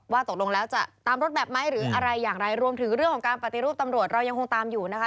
ตกลงแล้วจะตามรถแบบไหมหรืออะไรอย่างไรรวมถึงเรื่องของการปฏิรูปตำรวจเรายังคงตามอยู่นะคะ